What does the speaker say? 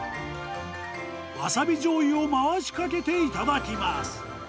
わさびじょうゆを回しかけて頂きます。